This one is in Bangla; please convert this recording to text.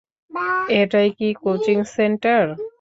এটাই কি কোচিং সেন্টার?